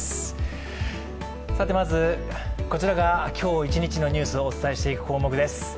まずこちらが今日一日のニュースをお伝えしていく項目です。